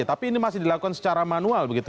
tapi ini masih dilakukan secara manual begitu